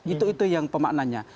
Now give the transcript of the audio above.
itu itu yang pemaknanya